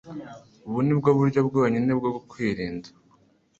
Ubu ni bwo buryo bwonyine bwo kwirinda.